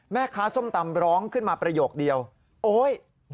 ส้มตำร้องขึ้นมาประโยคเดียวโอ๊ย